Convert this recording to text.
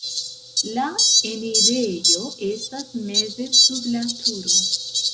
La enirejo estas meze sub la turo.